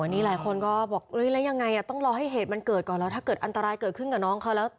มีอะไรควรก่อบอกและยังไงอ่ะต้องรอให้เหตุมันเกิดก่อนนะถ้าเกิดอันตรายเกิดขึ้นกองเขาแล้ว